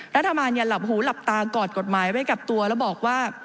รัฐบาลอย่าหลับหูหลับตากอดกฎหมายไว้กับตัวแล้วบอกว่า